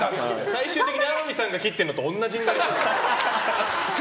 最終的に天海さんが切ってるのと同じになりそう。